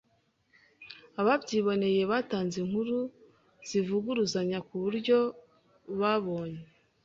Ababyiboneye batanze inkuru zivuguruzanya kubyo babonye.